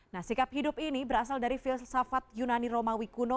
nah sikap hidup ini berasal dari filsafat yunani romawi kuno